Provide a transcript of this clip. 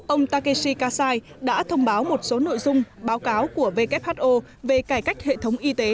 ông takeshi kasai đã thông báo một số nội dung báo cáo của who về cải cách hệ thống y tế